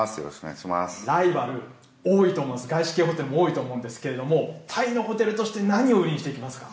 ライバル多いと思うんです、外資系ホテルも多いと思うんですけれども、タイのホテルとして何を売りにしていきますか？